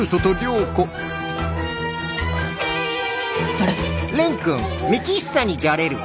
あれ？